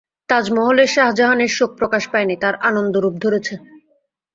তাজমহলে শাজাহানের শোক প্রকাশ পায় নি, তাঁর আনন্দ রূপ ধরেছে।